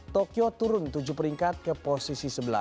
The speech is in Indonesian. tokyo turun tujuh peringkat ke posisi sebelas